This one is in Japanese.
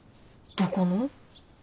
どこの？